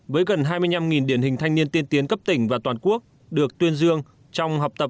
với gần hai mươi năm điển hình thanh niên tiên tiến cấp tỉnh và toàn quốc được tuyên dương trong học tập